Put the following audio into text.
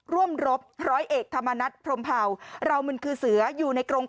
รบร้อยเอกธรรมนัฐพรมเผาเรามันคือเสืออยู่ในกรง